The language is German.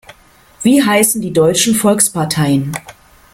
Wie heißen die deutschen Volksparteien?